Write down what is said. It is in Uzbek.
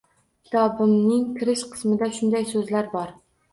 Kitobimning kirish qismida shunday so`zlar bor